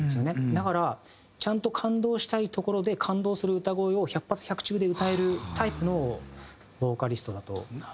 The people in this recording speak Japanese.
だからちゃんと感動したいところで感動する歌声を百発百中で歌えるタイプのボーカリストだと思います。